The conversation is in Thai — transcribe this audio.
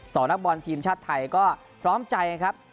นักบอลทีมชาติไทยก็พร้อมใจครับ